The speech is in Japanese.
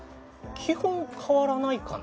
基本変わらないかな。